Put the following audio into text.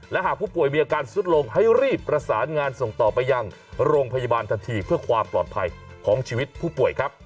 และหากผู้ป่วยมีอาการสุดลงให้รีบประสานงานส่งต่อไปยังโรงพยาบาลทันทีเพื่อความปลอดภัยของชีวิตผู้ป่วยครับ